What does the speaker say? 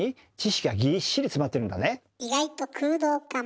意外と空洞かも。